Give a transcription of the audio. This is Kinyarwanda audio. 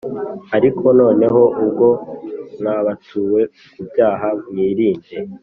Ariko noneho ubwo mwabatuwe ku byaha mwirinde